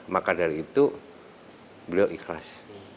maka dari itu beliau ikhlas